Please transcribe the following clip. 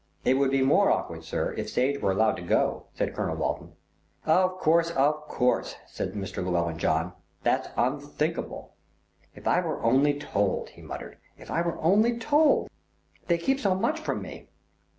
"It would be more awkward, sir, if Sage were allowed to go," said Colonel Walton. "Of course, of course," said Mr. Llewellyn John, "that's unthinkable. If I were only told," he muttered, "if I were only told. They keep so much from me."